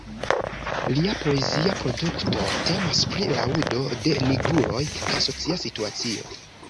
Lia poezia produkto temas pri laŭdo de "nigruloj kaj socia situacio".